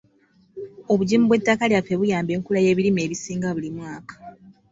Obugimu bw'ettaka lyaffe buyamba enkula y'ebirime ebisinga buli mwaka.